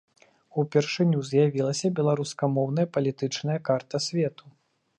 Упершыню з'явілася беларускамоўная палітычная карта свету.